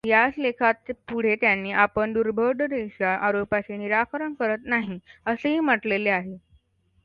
याच लेखात पुढे त्यांनी आपण दुर्बोधतेच्या आरोपाचे निराकरण करीत नाही, असेही म्हटलेले आहे.